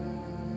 itu anak kamu